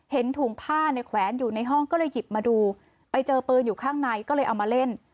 เห็นถุงผ้าเนี่ยแขวนอยู่ในห้องก็เลยหยิบมาดูไปเจอปืนอยู่ข้างในก็เลยเอามาเล่น